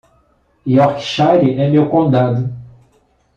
Yorkshire é meu condado.